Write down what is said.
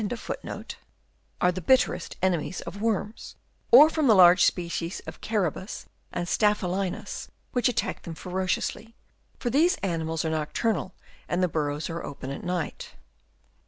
65 according to Hoffmeister, * are the bitterest enemies of worms, or from the larger species of Carabus and Staphylinus which attack them ferociously, for these animals are nocturnal, and the burrows are opened at night.